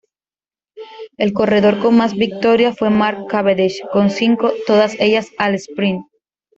El corredor con más victorias fue Mark Cavendish con cinco, todas ellas al sprint.